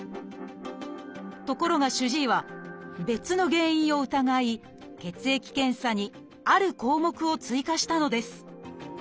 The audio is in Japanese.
ところが主治医は別の原因を疑い血液検査にある項目を追加したのです。